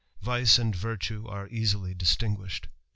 Vice and virtue are easily distin guished.